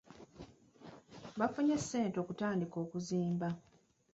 Baafunye ssente okutandika okuzimba.